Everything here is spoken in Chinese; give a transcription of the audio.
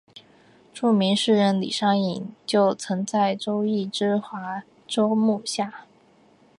著名诗人李商隐就曾在周墀之华州幕下。